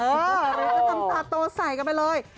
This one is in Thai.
เออแล้วก็ทำตาโตใส่กันไปเลย